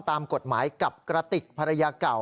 ตามกฎหมายกับกระติกภรรยาเก่า